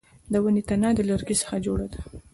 د ونې تنه د لرګي څخه جوړه ده